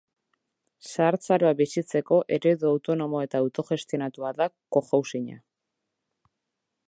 Zahartzaroa bizitzeko eredu autonomo eta autogestionatua da cohousing-a.